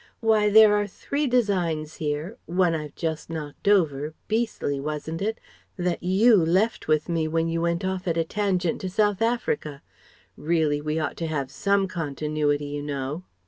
Why there are three designs here one I've just knocked over beastly, wasn't it? that _you _ left with me when you went off at a tangent to South Africa.... Really, we ought to have some continuity you know....